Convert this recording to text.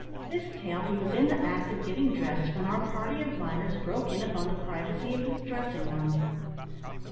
This tail he was in the act of getting dressed when our party of miners broke in upon the privacy of his dressing room.